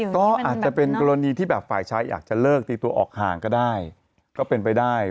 ก็อาจจะเป็นกรณีที่แบบฝ่ายชายอยากจะเลิกตีตัวออกห่างก็ได้ก็เป็นไปได้